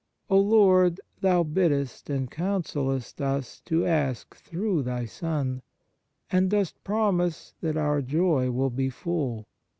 O Lord, Thou biddest and counsellest us to ask through Thy Son, and dost promise that our joy will be full.